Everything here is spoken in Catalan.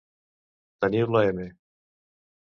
Teniu la m